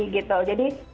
jadi selalu begitu